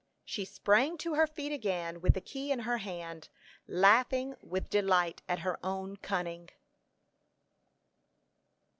She sprang to her feet again with the key in her hand, laughing with delight at her own cunning.